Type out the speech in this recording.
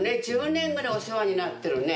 １０年ぐらいお世話になってるね。